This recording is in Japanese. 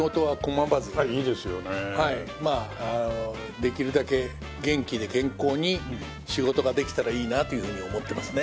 できるだけ元気で健康に仕事ができたらいいなというふうに思ってますね。